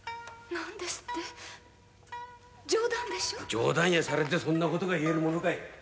冗談やしゃれでそんなことが言えるものかい。